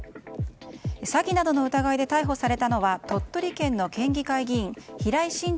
詐欺などの疑いで逮捕されたのは鳥取県の県議会議員平井伸治